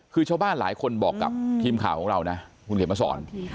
คือชาวบ้านหลายคนบอกกับทีมข่าวของเรานะคุณเขียนมาสอน